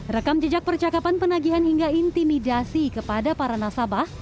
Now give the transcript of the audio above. rekam jejak percakapan penagihan hingga intimidasi kepada para nasabah